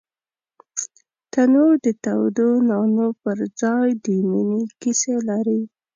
تنور د تودو نانو پر ځای د مینې کیسې لري